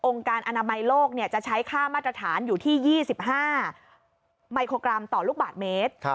การอนามัยโลกจะใช้ค่ามาตรฐานอยู่ที่๒๕ไมโครกรัมต่อลูกบาทเมตร